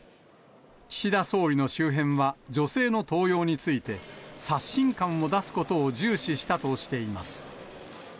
岸田総理の周辺は、女性の登用について、刷新感を出すことを重視したとしています。